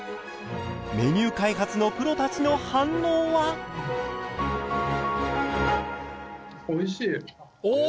メニュー開発のプロたちの反応は？へえ。